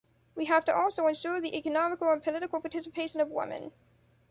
We have to also insure the economical and political participation of women.